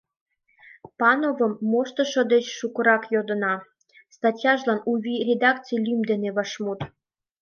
Пановым «Моштышо деч шукырак йодына» статьяжлан «У вий» редакций лӱм дене вашмут